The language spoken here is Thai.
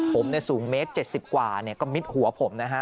ผมเนี่ยสูงเมตร๗๐กว่าเนี่ยก็มิดหัวผมนะฮะ